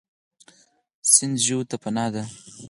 سیند ژویو ته پناه ده.